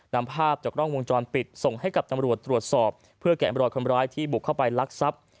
นำภาพจากกล้องวงจรปิดส่งให้กับตำรวจตรวจสอบเพื่อแกะรอยคนร้ายที่บุกเข้าไปลักทรัพย์